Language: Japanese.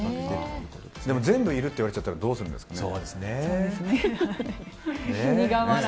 でも全部いるって言われちゃったらどうするんですかね。